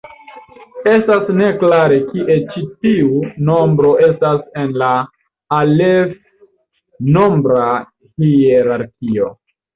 Estas ne klare kie ĉi tiu nombro estas en la alef-nombra hierarkio.